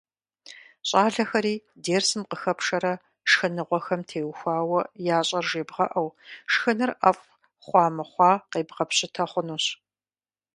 Щӏалэхэри дерсым къыхэпшэрэ шхыныгъуэхэм теухуауэ ящӏэр жебгъэӏэу, шхыныр ӏэфӏ хъуа-мыхъуа къебгъэпщытэ хъунущ.